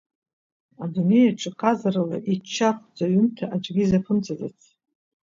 Адунеиаҿ ҟазарала иччархәӡоу аҩымҭа аӡәгьы изаԥымҵаӡац.